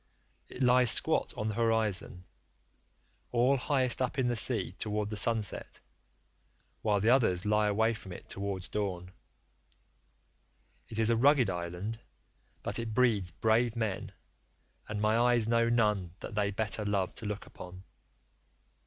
It lies squat on the horizon, all highest up in the sea towards the sunset, while the others lie away from it towards dawn.75 It is a rugged island, but it breeds brave men, and my eyes know none that they better love to look upon.